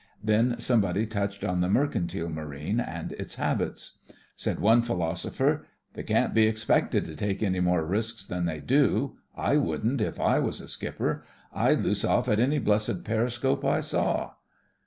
Then somebody touched on the mercantile marine and its habits. Said one philosopher: "They can't be expected to take any more risks than they do. / wouldn't, if I was a skipper. I'd loose off at any blessed periscope I saw."